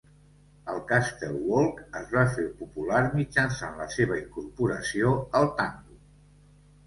El Castle Walk es va fer popular mitjançant la seva incorporació al tango.